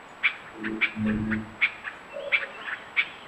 কালও জয়ে ফিরতে পারেনি লাল জার্সিধারীরা, গোলশূন্য ড্র করেছে আরামবাগের সঙ্গে।